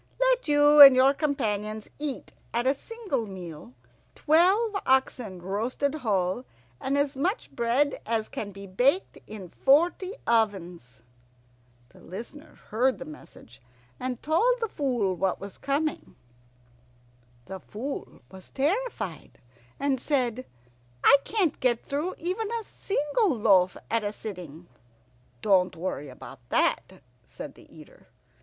Let you and your companions eat at a single meal twelve oxen roasted whole, and as much bread as can be baked in forty ovens!'" The Listener heard the message, and told the Fool what was coming. The Fool was terrified, and said, "I can't get through even a single loaf at a sitting." "Don't worry about that," said the Eater.